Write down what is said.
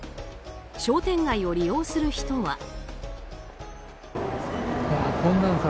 商店街を利用する人は。